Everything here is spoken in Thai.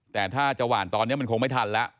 แต่ถ้าจะหวานตอนนี้มันคงไม่ทันแล้ว